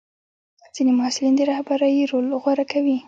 ځینې محصلین د رهبرۍ رول غوره کوي.